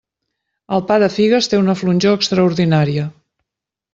El pa de figues té una flonjor extraordinària.